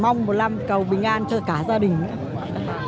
mong một năm cầu bình an cho cả gia đình